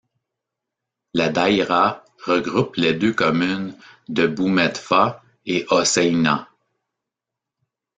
La daïra regroupe les deux communes de Boumedfaa et Hoceinia.